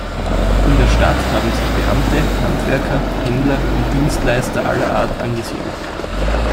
In der Stadt haben sich Beamte, Handwerker, Händler und Dienstleister aller Art angesiedelt.